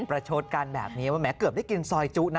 ประชดกันแบบนี้ว่าแม้เกือบได้กินซอยจุนะ